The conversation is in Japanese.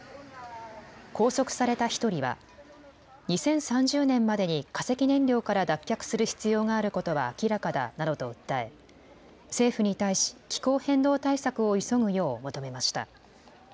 拘束された１人は２０３０年までに化石燃料から脱却する必要があることは明らかだなどと訴え政府に対し気候変動対策を急ぐよう求めました。